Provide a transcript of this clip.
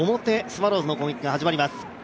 スワローズの攻撃が始まります。